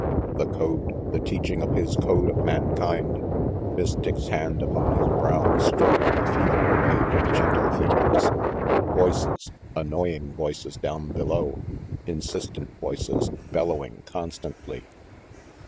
The code, the teaching of his code of mankind Miss Dick's hand upon his brow, stroking the fever away with gentle fingers voices, annoying voices down below. Insistent voices, bellowing constantly.